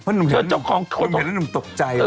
เพราะหนุ่มเห็นน่ะหนุ่มตกใจ